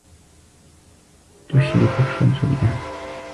تشرق الشمس الآن.